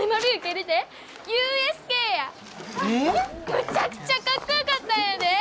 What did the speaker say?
むちゃくちゃかっこよかったんやで！